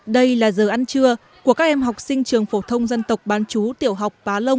đây là giờ ăn trưa của các em học sinh trường phổ thông dân tộc bán chú tiểu học bá long